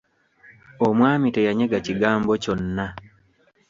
Omwami teyanyega kigambo kyonna.